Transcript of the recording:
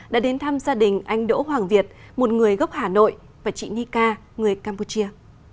đã đến thăm gia đình anh đỗ hoàng việt một người gốc hà nội và chị nhi ca người campuchia